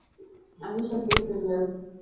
আমি সত্যিই সিরিয়াস।